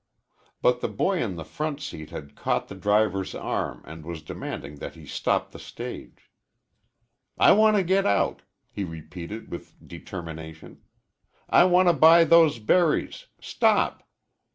But the boy in the front seat had caught the driver's arm and was demanding that he stop the stage. "I want to get out!" he repeated, with determination. "I want to buy those berries! Stop!"